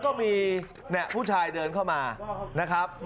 คุณผู้ชมครับชายจักรรม๓คน